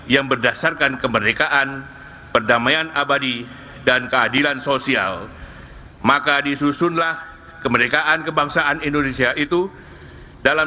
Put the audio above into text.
yang saya hormati ketua dewan perwakilan daerah republik indonesia